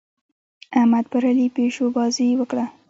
احمد پر علي پيشوبازۍ وکړې.